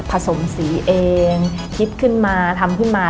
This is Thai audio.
สมสีเองคิดขึ้นมาทำขึ้นมา